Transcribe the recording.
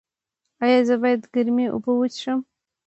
ایا زه باید ګرمې اوبه وڅښم؟